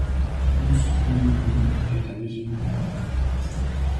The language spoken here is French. Youssouf Mulumbu est un musulman pratiquant.